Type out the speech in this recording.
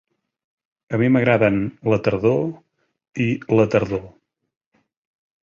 A mi m'agraden la tardor i la tardor.